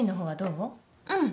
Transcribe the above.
うん。